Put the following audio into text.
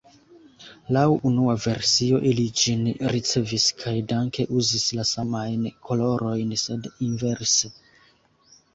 Laŭ unua versio, ili ĝin ricevis kaj danke uzis la samajn kolorojn sed inverse.